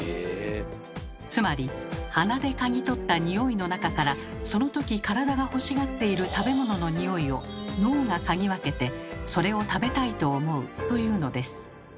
つまり鼻で嗅ぎ取った匂いの中からその時体が欲しがっている食べ物の匂いを脳が嗅ぎ分けてそれを食べたいと思うというのです。